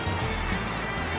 jangan makan aku